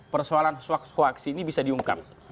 persoalan swaks swaks ini bisa diungkap